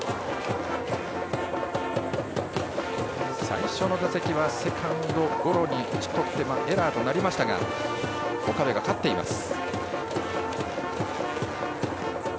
最初の打席はセカンドゴロに打ち取ってエラーとなりましたが岡部が勝っています。